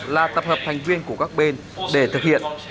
là tập hợp thành viên của các bên để thực hiện